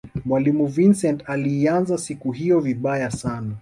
mwalimu vincent aliianza siku hiyo vibaya sana